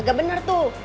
gak bener tuh